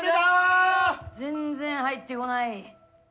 全然入ってこない。